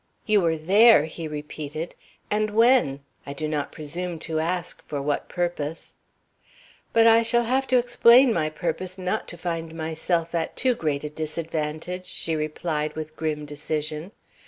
"You were there!" he repeated; "and when? I do not presume to ask for what purpose." "But I shall have to explain my purpose not to find myself at too great a disadvantage," she replied with grim decision.